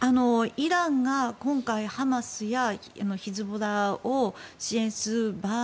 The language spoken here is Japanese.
イランが今回ハマスやヒズボラを支援する場合。